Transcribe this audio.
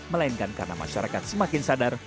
melainkan karena masyarakat semakin sadar